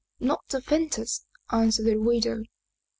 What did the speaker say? "" Not the faintest," answered the widow.